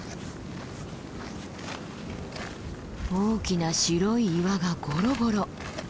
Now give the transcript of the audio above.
大きな白い岩がゴロゴロ。